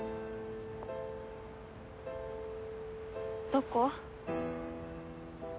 どこ？